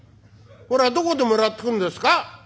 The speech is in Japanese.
それはどこでもらってくんですか？」。